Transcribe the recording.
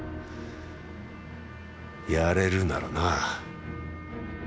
やれるならな。